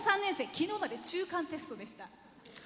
昨日まで中間テストでした。